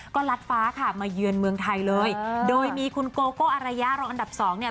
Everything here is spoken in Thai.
ก็ลัดฟ้าค่ะมาเยือนเมืองไทยเลยโดยมีคุณโกโก้อารยารองอันดับสองเนี่ย